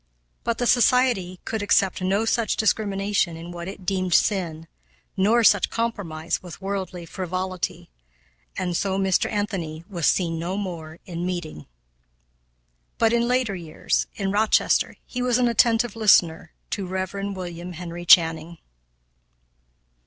But the society could accept no such discrimination in what it deemed sin, nor such compromise with worldly frivolity, and so Mr. Anthony was seen no more in meeting. But, in later years, in Rochester he was an attentive listener to Rev. William Henry Channing.